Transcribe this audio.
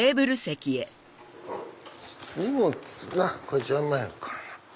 荷物なこれ邪魔やから。